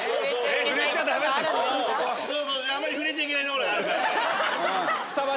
あんまり触れちゃいけないところがあるからね。